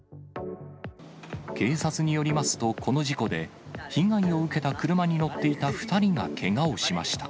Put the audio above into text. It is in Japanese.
警察によりますと、この事故で、被害を受けた車に乗っていた２人がけがをしました。